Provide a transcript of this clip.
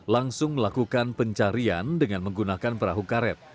langsung melakukan pencarian dengan menggunakan perahu karet